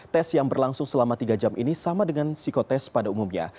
tes yang berlangsung selama tiga jam ini sama dengan psikotest pada umumnya